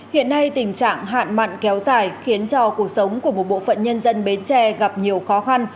hiện nay tình trạng hạn mặn kéo dài khiến cho cuộc sống của một bộ phận nhân dân bến tre gặp nhiều khó khăn